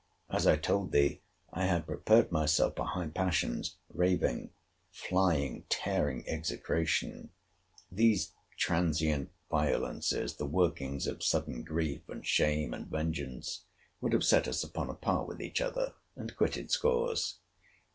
As I told thee, I had prepared myself for high passions, raving, flying, tearing execration; these transient violences, the workings of sudden grief, and shame, and vengeance, would have set us upon a par with each other, and quitted scores.